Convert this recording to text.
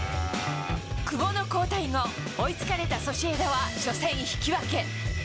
久保の交代後、追いつかれたソシエダは、初戦引き分け。